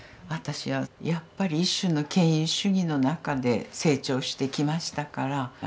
私はやっぱり一種の権威主義の中で成長してきましたから。